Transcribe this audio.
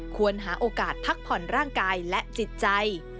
ควรหาโอกาสพักผ่อนร่างกายและจิตใจ